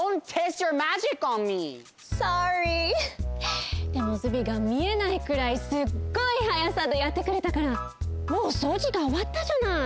Ｓｏｒｒｙ．でもズビーが見えないくらいすっごいはやさでやってくれたからもうそうじがおわったじゃない。